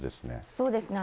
そうですね。